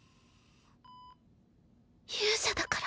勇者だから。